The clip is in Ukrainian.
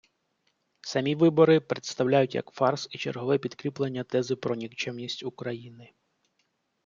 Самі вибори представляють як фарс і чергове підкріплення тези про нікчемність України.